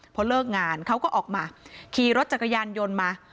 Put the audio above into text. พอเลิกงานเขาก็ออกมาขี่รถจักรยานยนต์มา